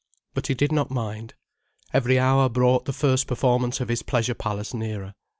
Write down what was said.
But he did not mind. Every hour brought the first performance of his Pleasure Palace nearer.